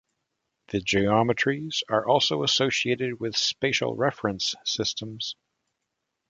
The geometries are also associated with spatial reference systems.